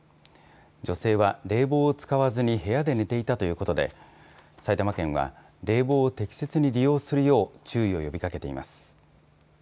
女性は冷房を使わずに部屋で寝ていたということで、埼玉県は冷房を適切に利用するよう注意を呼びかけています。